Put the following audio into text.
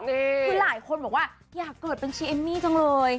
คือหลายคนบอกว่าอยากเกิดบัญชีเอมมี่จังเลย